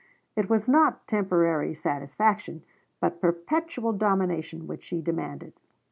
It was not temporary satisfaction, but perpetual domination which she demanded.